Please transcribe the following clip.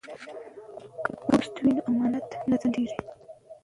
که پوست وي نو امانت نه ځنډیږي.